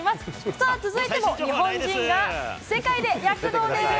さあ、続いても日本人が世界で躍動です。